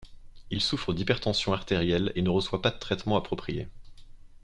Il souffre d'hypertension artérielle et ne reçoit pas de traitement approprié.